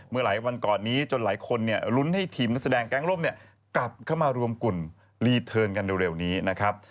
เมื่อหลายวันก่อนนี้จนหลายคนลุ้นให้ทีมนักแสดงแก๊งล่มกลับเข้ามารวมกลุ่มรีเทิร์นกันเร็วนี้นะครับ